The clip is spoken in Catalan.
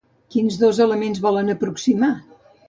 Quins dos elements volen aproximar?